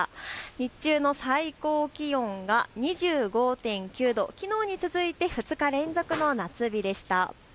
日中の最高気温が２５．９度、きのうに続いて２日連続の夏日でした。